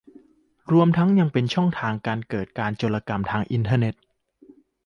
รวมทั้งยังเป็นช่องทางให้เกิดการโจรกรรมทางอินเทอร์เน็ต